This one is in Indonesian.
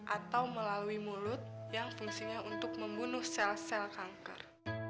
atau melalui mulut yang fungsinya untuk membunuh sel sel kanker